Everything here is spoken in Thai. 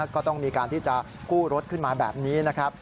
ก็ต้องมีการที่จะกู้รถขึ้นมาแบบนี้นะครับ